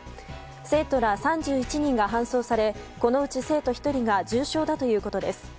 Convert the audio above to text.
生徒ら３１人が搬送されこのうち生徒１人が重症だということです。